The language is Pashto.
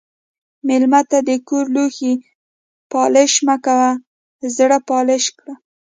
مېلمه ته د کور لوښي پالش مه کوه، زړه پالش کړه.